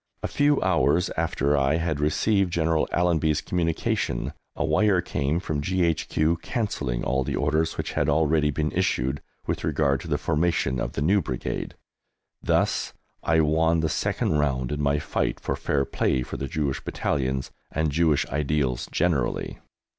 A few hours after I had received General Allenby's communication a wire came from G.H.Q. cancelling all the orders which had already been issued with regard to the formation of the new Brigade. Thus I won the second round in my fight for fair play for the Jewish Battalions and Jewish ideals generally.